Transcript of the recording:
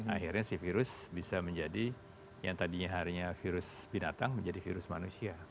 akhirnya si virus bisa menjadi yang tadinya harinya virus binatang menjadi virus manusia